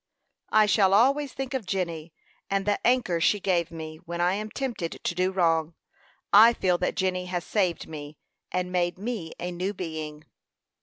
"I shall always think of Jenny, and the anchor she gave me, when I am tempted to do wrong. I feel that Jenny has saved me, and made me a new being."